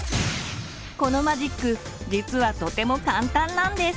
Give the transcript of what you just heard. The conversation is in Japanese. このマジック実はとても簡単なんです。